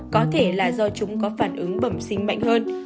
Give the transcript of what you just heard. có thể là do chúng có phản ứng bẩm sinh mạnh hơn